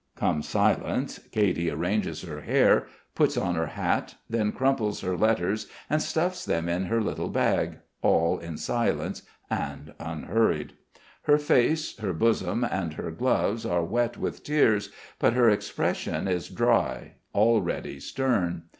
Comes silence. Katy arranges her hair, puts on her hat, then crumples her letters and stuffs them in her little bag, all in silence and unhurried. Her face, her bosom and her gloves are wet with tears, but her expression is dry already, stern....